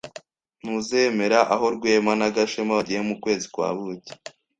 Ntuzemera aho Rwema na Gashema bagiye mu kwezi kwa buki.